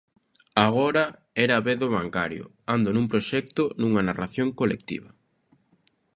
Agora era a vez do bancario: –Ando nun proxecto, unha narración colectiva.